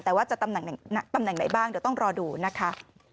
แต่ว่าจะตำแหน่งไหนบ้างเดี๋ยวต้องรอดูนะคะ